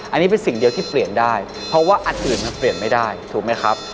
อันนี้เป็นสิ่งเดียวที่เปลี่ยนได้เพราะว่าอันอื่นมันเปลี่ยนไม่ได้ถูกไหมครับ